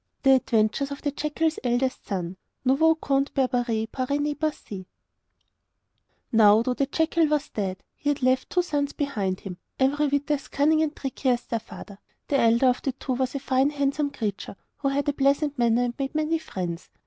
] The Adventures of the Jackal's Eldest Son Now, though the jackal was dead, he had left two sons behind him, every whit as cunning and tricky as their father. The elder of the two was a fine handsome creature, who had a pleasant manner and made many friends.